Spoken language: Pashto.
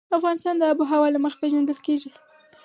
افغانستان د آب وهوا له مخې پېژندل کېږي.